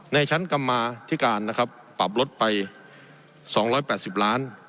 ในชั้นกรรมาธิการนะครับปรับลดไป๒๘๐ล้าน